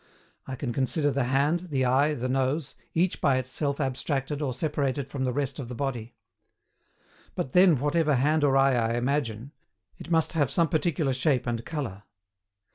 I can consider the hand, the eye, the nose, each by itself abstracted or separated from the rest of the body. But then whatever hand or eye I imagine, it must have some particular shape and colour.